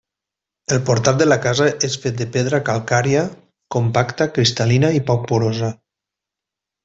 El portal de la casa és fet de pedra calcària compacta, cristal·lina i poc porosa.